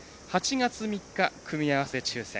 ８月３日、組み合わせ抽選。